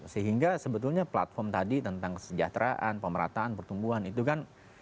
sehingga sebetulnya platform tadi tentang kesejahteraan pemerataan pertumbuhan itu kan